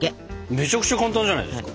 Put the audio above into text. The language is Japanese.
めちゃくちゃ簡単じゃないですか？